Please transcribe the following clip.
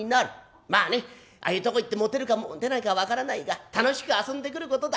まあねああいうとこ行ってもてるかもてないかは分からないが楽しく遊んでくることだ。